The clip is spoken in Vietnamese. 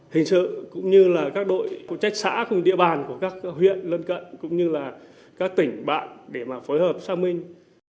hình sự cũng như là các đội trách xã cùng địa bàn của các huyện lân cận cũng như là các tỉnh bạn để mà phối hợp sang mình